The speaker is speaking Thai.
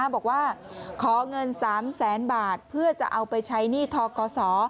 บอกว่าขอเงิน๓แสนบาทเพื่อจะเอาไปใช้หนี้ทกศ